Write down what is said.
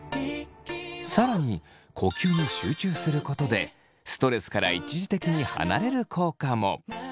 更に呼吸に集中することでストレスから一時的に離れる効果も。